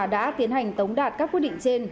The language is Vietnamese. đã tiến hành tống đạt các quyết định trên